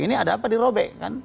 ini ada apa dirobek